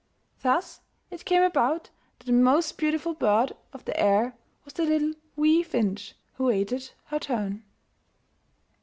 Thus it came about that the most beautiful bird of the air was the little wee finch who waited her turn.